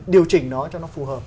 điều chỉnh nó cho nó phù hợp